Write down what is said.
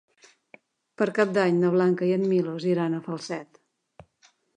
Per Cap d'Any na Blanca i en Milos iran a Falset.